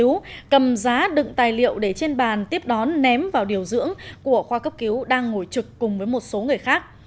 tú cầm giá đựng tài liệu để trên bàn tiếp đón ném vào điều dưỡng của khoa cấp cứu đang ngồi trực cùng với một số người khác